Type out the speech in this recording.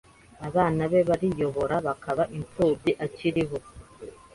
abana be bariyobora bakaba imfubyi akiriho.